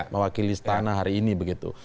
mewakili istana hari ini begitu